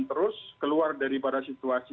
terus keluar dari pada situasi